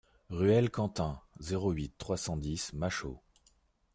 Ruelle Quentin, zéro huit, trois cent dix Machault